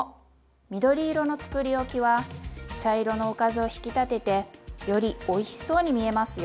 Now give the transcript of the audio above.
緑色のつくりおきは茶色のおかずを引き立ててよりおいしそうに見えますよ。